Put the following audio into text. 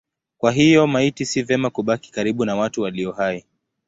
Kwa hiyo maiti si vema kubaki karibu na watu walio hai.